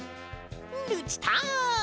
ルチタン！